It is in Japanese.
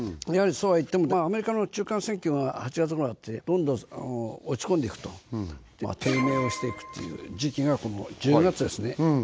やはりそうはいってもアメリカの中間選挙が８月ごろあってどんどん落ち込んでいくと低迷をしていくっていう時期がこの１０月ですね